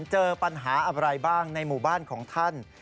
เจอปัญหาอะไรบ้างในหมู่บ้านของท่าน